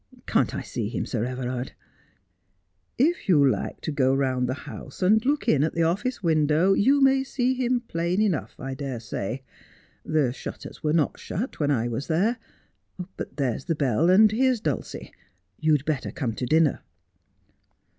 Can't I see him, Sir Everard ?'' If you like to go round the house and look in at the office window you may see him plain enough, I dare say. The shutters were not shut when I was there. But there's the bell, and here's Dulcie. You'd better come to dinner.'